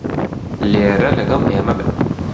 لێرە لەگەڵ ئێمە بن.